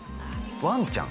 ワンちゃん